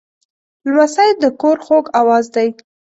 لمسی د کور خوږ آواز دی.